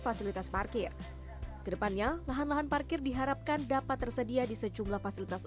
fasilitas parkir kedepannya lahan lahan parkir diharapkan dapat tersedia di sejumlah fasilitas